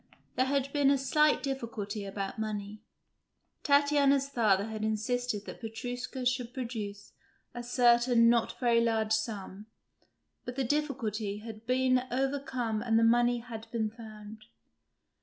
There had been a slight difficulty about money. Tatiana's father had insisted that Petrushka should produce a certain not very large sum; but the difficulty had been overcome and the money had been found.